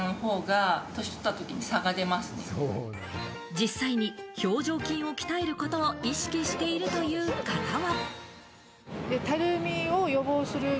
実際に表情筋を鍛えることを意識しているという方は。